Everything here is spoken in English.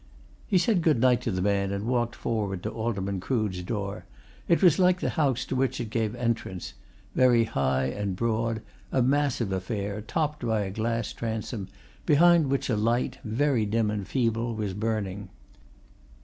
He said good night to the man and walked forward to Alderman Crood's door. It was like the house to which it gave entrance very high and broad, a massive affair, topped by a glass transom, behind which a light, very dim and feeble, was burning.